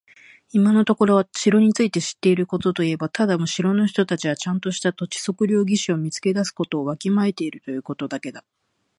今のところ私が城について知っていることといえば、ただ城の人たちはちゃんとした土地測量技師を見つけ出すことをわきまえているということだけだ。